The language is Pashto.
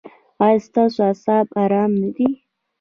ایا ستاسو اعصاب ارام نه دي؟